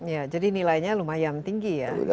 ya jadi nilainya lumayan tinggi ya